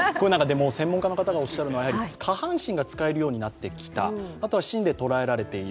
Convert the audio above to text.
専門家の方がおっしゃるのは下半身が使えるようになってきた、あとは芯で捉えられている。